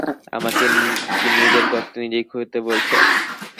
আমাকে কি নিজের গর্ত নিজেই খুড়তে বলছ?